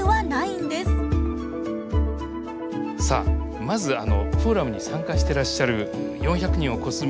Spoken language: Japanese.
さあまずフォーラムに参加してらっしゃる４００人を超す皆さん。